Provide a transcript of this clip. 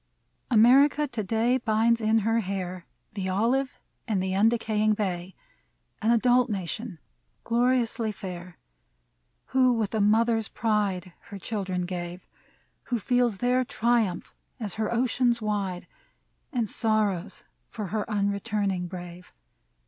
America to day Binds in her hair The olive and the undecaying bay : An adult Nation, gloriously fair, Who with a mother's pride Her children gave, 164 MEMORIAL ODE Who feels their triumph, as her oceans, wide. And sorrows for her unreturning brave.